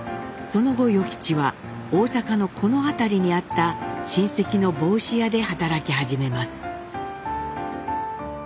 その後与吉は大阪のこの辺りにあった親戚の帽子屋で働き始めます。